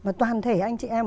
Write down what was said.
và toàn thể anh chị em